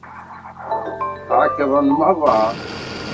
Ԑeyyḍen merra.